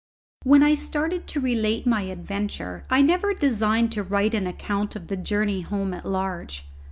When I started to relate my adventure I never designed to write an account of the journey home at large.